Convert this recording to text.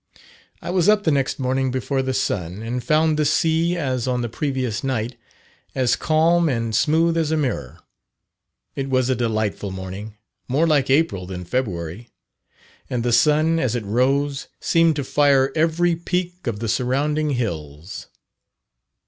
I was up the next morning before the sun, and found the sea as on the previous night as calm and smooth as a mirror. It was a delightful morning, more like April than February; and the sun, as it rose, seemed to fire every peak of the surrounding hills.